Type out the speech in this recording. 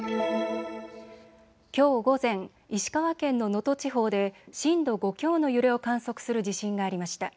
きょう午前、石川県の能登地方で震度５強の揺れを観測する地震がありました。